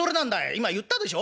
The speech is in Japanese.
今言ったでしょ？